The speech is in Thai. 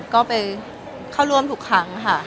ก็ไปเข้าร่วมทุกครั้งค่ะ